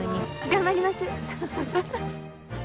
頑張ります。